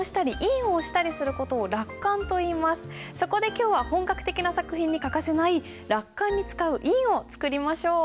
そこで今日は本格的な作品に欠かせない落款に使う印を作りましょう。